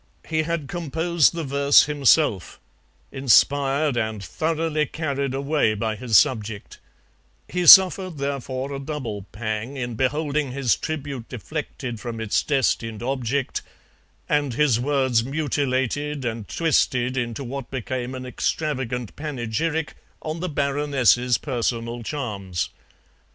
He had composed the verse himself, inspired and thoroughly carried away by his subject; he suffered, therefore, a double pang in beholding his tribute deflected from its destined object, and his words mutilated and twisted into what became an extravagant panegyric on the Baroness's personal charms.